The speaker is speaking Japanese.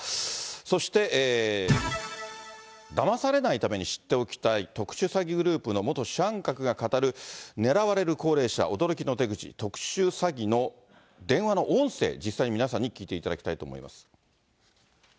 そして、だまされないために知っておきたい特殊詐欺グループの元主犯格が語る狙われる高齢者、驚きの手口、特殊詐欺の電話の音声、実際に皆さんに聞いていただきたいと思います。